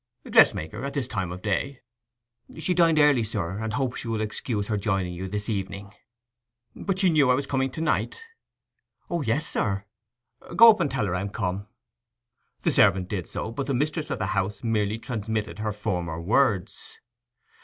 'Dressmaker at this time of day!' 'She dined early, sir, and hopes you will excuse her joining you this evening.' 'But she knew I was coming to night?' 'O yes, sir.' 'Go up and tell her I am come.' The servant did so; but the mistress of the house merely transmitted her former words.